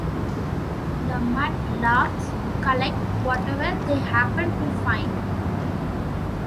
The mud-larks collect whatever they happen to find.